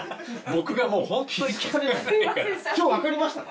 僕がもうホントに影が薄いから今日分かりましたか？